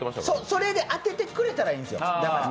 それで当ててくれたらいいんですよ。